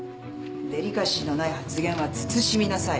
デリカシーのない発言は慎みなさい。